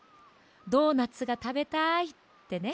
「ドーナツがたべたい」ってね。